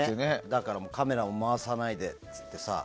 だからもうカメラも回さないでって言ってさ。